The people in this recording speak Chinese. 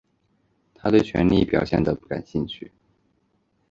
他对权力表现得不感兴趣。